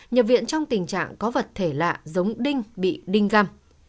nhập viện trong tình trạng có vật thể lạ giống đinh bị đinh găm